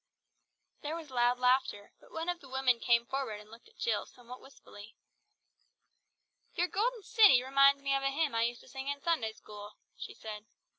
There was loud laughter, but one of the women came forward and looked at Jill somewhat wistfully. "Your Golden City reminds me of a hymn I used to sing in Sunday school," she said.